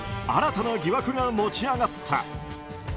新たな疑惑が持ち上がった。